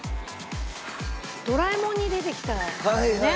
『ドラえもん』に出てきたよね？